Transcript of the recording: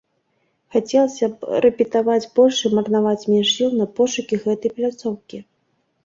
Хацелася б рэпетаваць больш і марнаваць менш сіл на пошукі гэтай пляцоўкі.